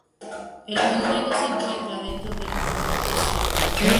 El monumento se encuentra dentro del "Monumento Círculo".